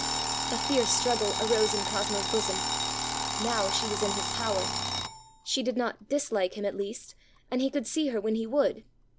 ã A fierce struggle arose in Cosmoãs bosom. Now she was in his power. She did not dislike him at least; and he could see her when he would.